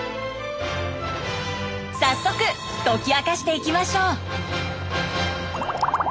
早速解き明かしていきましょう。